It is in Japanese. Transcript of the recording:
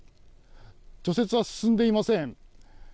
除雪は進んでいません。